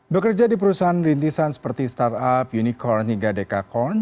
bekerja di perusahaan rintisan seperti startup unicorn hingga dekacorn